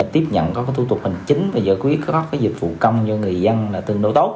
tiếp nhận các thủ tục hành chính và giải quyết các dịch vụ công cho người dân là tương đối tốt